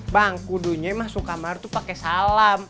bang kudunya masuk kamar tuh pake salam